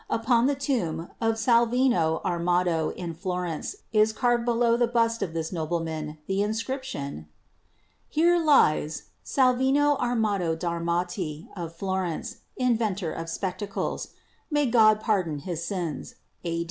Upon the tomb of Salvino Armato in Florence is carved below the bust o£ this nobleman the inscription : Here lies Salvino Armato d'Armati, of Florence, Inventor of Spectacles May God pardon his sins a.